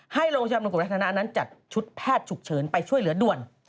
โรงพยาบาลของรัฐนานั้นจัดชุดแพทย์ฉุกเฉินไปช่วยเหลือด่วน